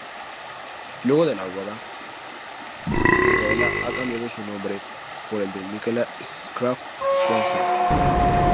Luego de la boda, Michaela ha cambiado su nombre por el de Michaela Schaffrath-Wanhoff.